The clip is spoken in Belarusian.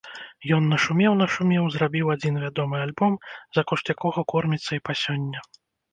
Ён нашумеў-нашумеў, зрабіў адзін вядомы альбом, за кошт якога корміцца і па сёння.